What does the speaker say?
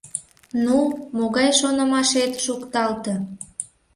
Ну, могай шонымашет шукталте?